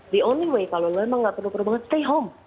the only way kalau lo emang gak perlu perlu banget stay home